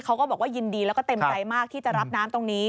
เขาก็บอกว่ายินดีแล้วก็เต็มใจมากที่จะรับน้ำตรงนี้